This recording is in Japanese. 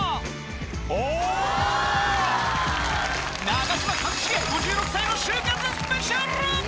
長嶋一茂５６歳の終活スペシャル！